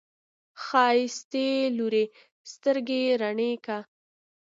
ښايستې لورې، سترګې رڼې که!